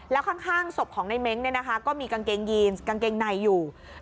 แล้วข้างศพของในเม้งก็มีกางเกงยีนกางเกงในอยู่